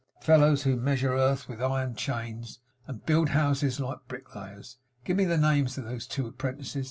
Fellows who measure earth with iron chains, and build houses like bricklayers. Give me the names of those two apprentices.